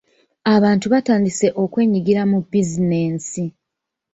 Abantu batandise okwenyigira mu bizinensi.